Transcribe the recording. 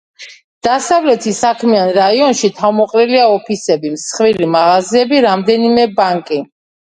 დასავლეთის საქმიან რაიონში თავმოყრილია ოფისები, მსხვილი მაღაზიები, რამდენიმე ბანკი.